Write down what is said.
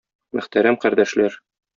Мөхтәрәм кардәшләр!